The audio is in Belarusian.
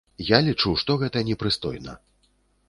Я лічу, што гэта непрыстойна.